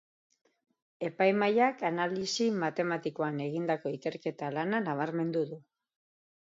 Epaimahaiak analisi matematikoan egindako ikerketa-lana nabarmendu du.